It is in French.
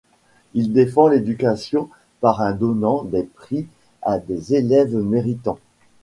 Il défend l'éducation par un donnant des prix à des élèves méritant.